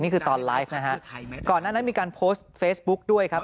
นี่คือตอนไลฟ์นะฮะก่อนหน้านั้นมีการโพสต์เฟซบุ๊คด้วยครับ